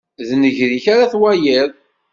D nnger-ik ara twaliḍ.